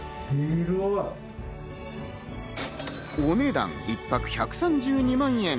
お値段、１泊１３２万円。